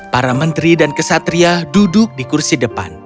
para menteri dan kesatria duduk di kursi depan